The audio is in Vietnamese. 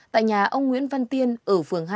tại nhà ông nguyễn văn tiên ở phường hai